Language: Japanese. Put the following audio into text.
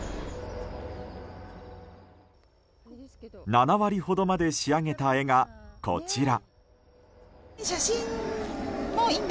７割ほどまで仕上げた絵がこちら。